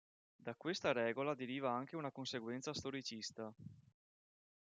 Da questa regola deriva anche una conseguenza storicista.